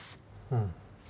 うん。